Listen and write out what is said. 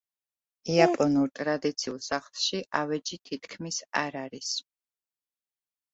იაპონურ ტრადიციულ სახლში ავეჯი თითქმის არ არის.